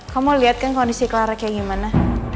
kamu lihat kan kondisi clara kayak gimana